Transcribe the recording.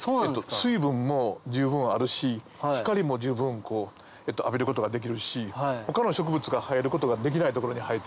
水分も十分あるし光も十分浴びることができるし他の植物が生えることができない所に生えている。